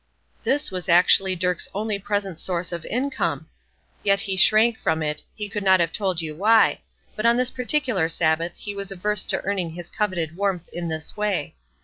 This was actually Dirk's only present source of income! Yet he shrank from it; he could not have told you why, but on this particular Sabbath he was averse to earning his coveted warmth in this way.